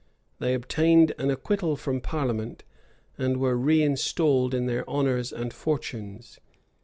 They obtained an acquittal from parliament, and were reinstated in their honors and fortunes.